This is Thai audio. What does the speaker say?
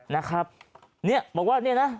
นะครับเนี่ยบอกว่าเนี่ยนะ